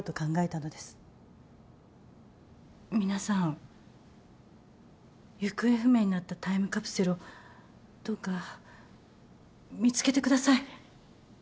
皆さん行方不明になったタイムカプセルをどうか見つけてください。